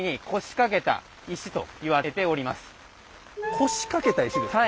腰掛けた石ですか？